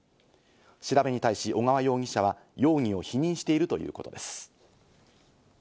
調べに対し小川容疑者は、容疑を否認しているということです。